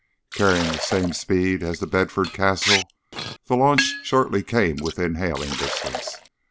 Carrying the same speed as The Bedford Castle, the launch shortly came within hailing distance.